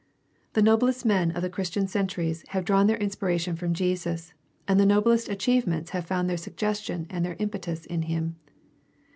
The noblest men of the Christian centuries have drawn their inspiration from Jesus, and the noblest achieve ments have found their suggestion and their impetus in him.